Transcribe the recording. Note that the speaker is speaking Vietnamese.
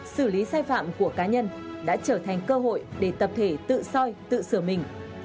xử lý sai phạm của cá nhân đã trở thành cơ hội để tập thể tự soi tự sửa mình